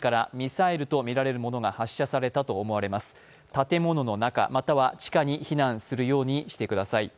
建物の中、または地下に避難するようにしてください。